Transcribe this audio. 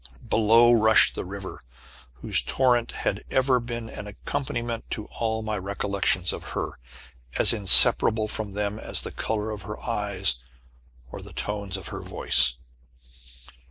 Below rushed the river, whose torrent had ever been an accompaniment to all my recollections of her as inseparable from them as the color of her eyes, or the tones of her voice.